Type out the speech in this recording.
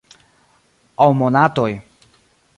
Aŭ monatoj.